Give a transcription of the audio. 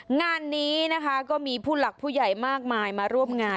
งานนี้นะคะก็มีผู้หลักผู้ใหญ่มากมายมาร่วมงาน